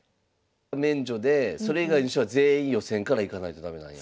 免除でそれ以外の人は全員予選からいかないと駄目なんや。